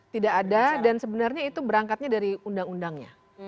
tidak ada dan sebenarnya itu berangkatnya dari undang undangnya